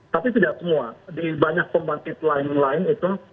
tapi tidak semua di banyak pembangkit lain lain itu